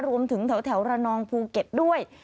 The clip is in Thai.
แถวระนองภูเก็ตด้วย